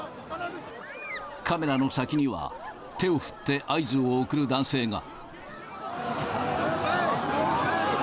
カメラの先には、手を振って合図を送る男性が。